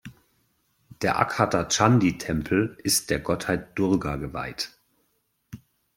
Der Akhadachandi-Tempel ist der Gottheit Durga geweiht.